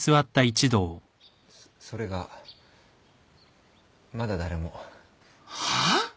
そそれがまだ誰も。はあ！？